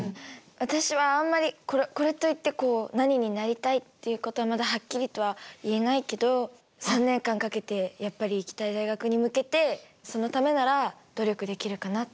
私はあんまりこれといってこう何になりたいっていうことはまだはっきりとは言えないけど３年間かけてやっぱり行きたい大学に向けてそのためなら努力できるかなって思います。